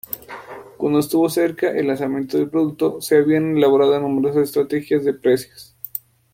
Cuando estuvo cerca el lanzamiento del producto, se habían elaborado numerosas estrategias de precios.